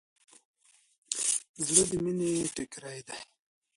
زړه د مینې ټیکری دی.